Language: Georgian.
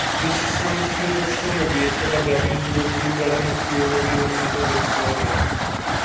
მისი სამეცნიერო შრომები ეხება დაბინძურებული გარემოს ბიოლოგიური მეთოდებით აღდგენას.